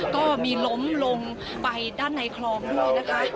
ก็มีล้มลงไปด้านในคลองด้วยนะคะ